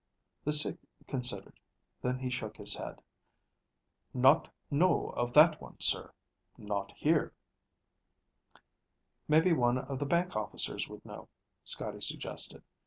The Sikh considered. Then he shook his head. "Not know of that one, sir. Not hear." "Maybe one of the bank officers would know," Scotty suggested.